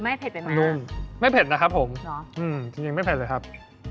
ไม่เผ็ดไปมากนุ่มไม่เผ็ดนะครับผมหรออืมจริงจริงไม่เผ็ดเลยครับ